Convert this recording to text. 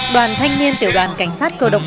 đoàn thanh niên tiểu đoàn cảnh sát cơ động đông bắc